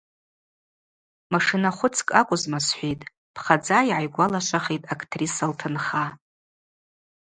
Машинахвыцкӏ акӏвызма схӏвитӏ, – пхадза йгӏайгвалашвахитӏ актриса лтынха.